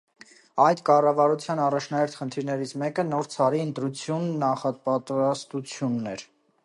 Այդ կառավարության առաջնահերթ խնդիրներից մեկը նոր ցարի ընտրության նախապատրաստությունն էր։